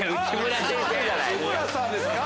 内村さんですか？